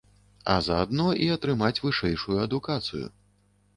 А заадно і атрымаць вышэйшую адукацыю.